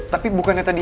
tapi bukannya tadi